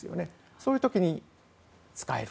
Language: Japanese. そういう時に使える。